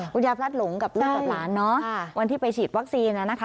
พลัดหลงกับลูกกับหลานเนอะวันที่ไปฉีดวัคซีนนะคะ